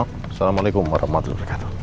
assalamualaikum warahmatullahi wabarakatuh